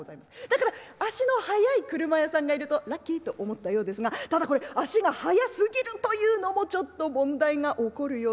だから足の速い俥屋さんがいるとラッキーと思ったようですがただこれ足が速すぎるというのもちょっと問題が起こるようでございますが。